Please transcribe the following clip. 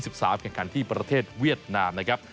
แข่งขันที่ประเทศเวียดนามนะครับ